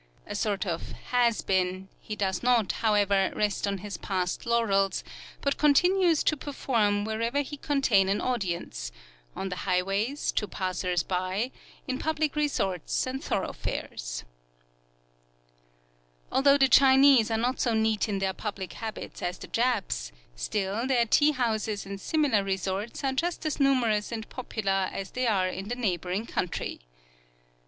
A sort of "has been," he does not, however, rest on his past laurels, but continues to perform whenever he can obtain an audience on the highways, to passers by, in public resorts and thoroughfares. Although the Chinese are not so neat in their public habits as the Japs, still their tea houses and similar resorts are just as numerous and popular as they are in the neighboring country.